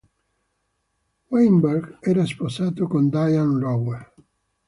Weinberg era sposato con Dianne Rowe.